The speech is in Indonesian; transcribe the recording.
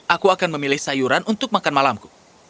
aku akan memilih sayuran untuk makan malamku